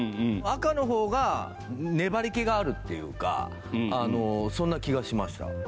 赤の方が粘り気があるっていうかそんな気がしました。